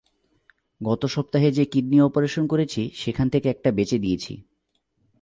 গত সপ্তাহে যে কিডনি অপারেশন করেছি সেখান থেকে একটা বেচে দিয়েছি।